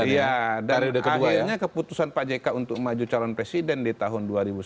iya dan akhirnya keputusan pak jk untuk maju calon presiden di tahun dua ribu sembilan belas